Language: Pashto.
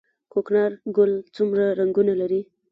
کوکنارو ګل څومره رنګونه لري؟